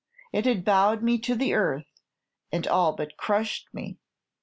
It had bowed me to the earth, and all but crushed me!